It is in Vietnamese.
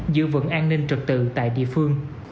giữ vận an ninh trực tự tại địa phương